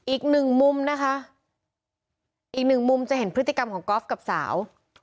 อีกหนึ่งมุมนะคะอีกหนึ่งมุมจะเห็นพฤติกรรมของกอล์ฟกับสาว